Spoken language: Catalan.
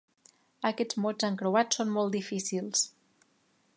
Aquests mots encreuats són molt difícils.